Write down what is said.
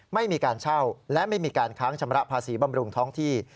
ไม่มีการเช่าและไม่มีการค้างชำระภาษีบำรุงท้องที่